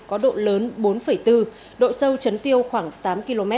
có độ lớn bốn bốn độ sâu chấn tiêu khoảng tám km